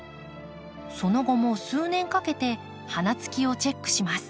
その後も数年かけて花つきをチェックします。